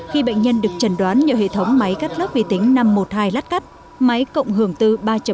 khi bệnh nhân được trần đoán nhờ hệ thống máy cắt lớp vi tính năm trăm một mươi hai lát cắt máy cộng hưởng từ ba